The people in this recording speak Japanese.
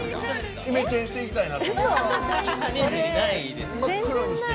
イメチェンしていきたいなって。